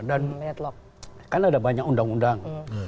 dan kan ada banyak undang undang